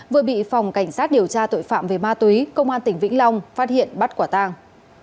vừa bị phòng cảnh sát điều tra tội phạm về ma túy công an tỉnh vĩnh long phát hiện bắt quả tàng